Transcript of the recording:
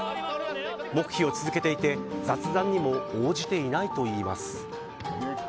黙秘を続けていて雑談にも応じていないといいます。